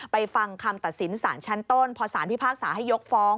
ฟังคำตัดสินสารชั้นต้นพอสารพิพากษาให้ยกฟ้อง